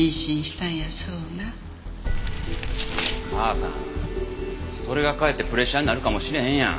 母さんそれがかえってプレッシャーになるかもしれへんやん。